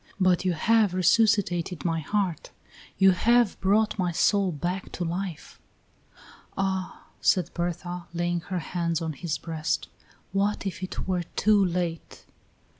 but you have resuscitated my heart; you have brought my soul back to life." "Ah," said Berta, laying her hands on his breast, "what if it were too late!"